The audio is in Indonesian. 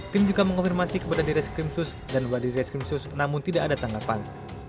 tim juga mengkonfirmasi kepada dirai skrim sus dan wadidri skrim sus namun tidak ada tanggapan